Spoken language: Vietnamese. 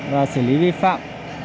và xử lý vi phạm